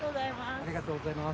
ありがとうございます。